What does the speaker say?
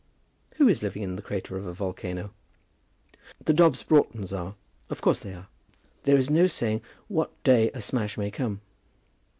"Who are living in the crater of a volcano?" "The Dobbs Broughtons are. Of course they are. There is no saying what day a smash may come.